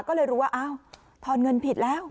ก็เลยรู้ว่าอ้าวทอนเงินผิดแล้ว